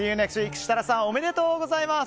設楽さん、おめでとうございます。